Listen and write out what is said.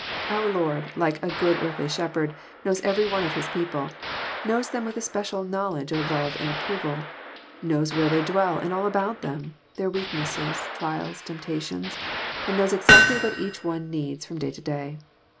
Our Lord, like a good earthly shepherd, knows every one of his people, — knows them with a special knowledge of love and approval; knows where they dwell and all about them, their weaknesses, trials, and temptations, and knows exactly what each one needs from day to day.